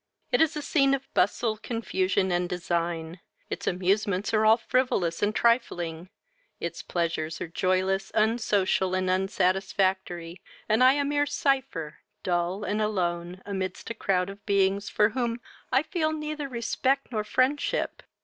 It is a scene of bustle, confusion, and design; its amusements are all frivolous and trifling; its pleasures are joyless, unsocial, and unsatisfactory, and I a mere cypher, dull and alone, amidst a crowd of beings, for whom I feel neither respect nor friendship.